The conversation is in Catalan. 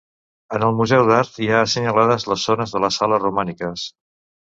En el Museu d'Art hi ha assenyalades les zones de les sales romàniques.